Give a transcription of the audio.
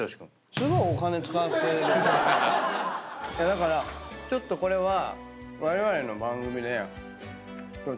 だからちょっとこれはわれわれの番組で。